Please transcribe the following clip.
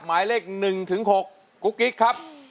หมายเลข๑๖กุ๊กกิ๊กครับ